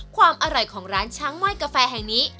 ความอร่อยของร้านช้างม่อยกาแฟแห่งนี้